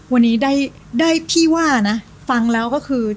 วันนี้ได้ที่ว่านะฟังแล้วก็คือ